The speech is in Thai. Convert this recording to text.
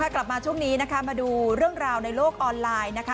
กลับมาช่วงนี้นะคะมาดูเรื่องราวในโลกออนไลน์นะคะ